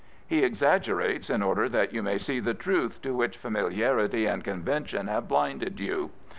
He exaggerates in order that you may see the truth to which familiarity and convention have blinded you.